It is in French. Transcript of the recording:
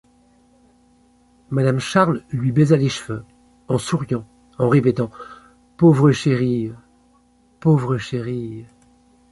Madame Charles lui baisa les cheveux, en souriant, en répétant: — Pauvre chérie! pauvre chérie !